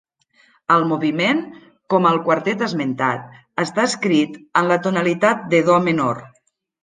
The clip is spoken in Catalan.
El moviment, com el quartet esmentat, està escrit en la tonalitat de Do menor.